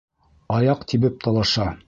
Аяҡ тибеп талаша.